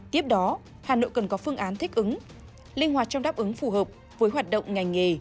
tiếp đó hà nội cần có phương án thích ứng linh hoạt trong đáp ứng phù hợp với hoạt động ngành nghề